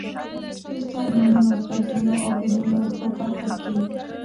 د ستاینومونو، قیدونو، فعلونو په برخه کې.